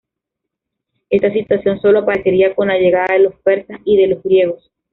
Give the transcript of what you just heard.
Esta situación solo aparecería con la llegada de los persas y de los griegos.